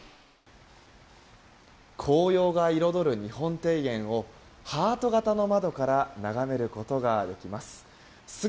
紅葉が彩る日本庭園をハート形の窓から眺めることができます。